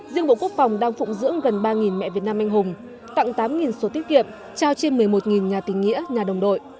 riêng bộ quốc phòng đang phụng dưỡng gần ba mẹ việt nam anh hùng tặng tám số tiết kiệm trao trên một mươi một nhà tình nghĩa nhà đồng đội